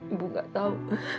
ibu nggak tahu